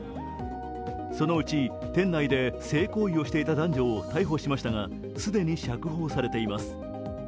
そのうち店内で性行為をしていた男女を逮捕しましたが、既に釈放されています。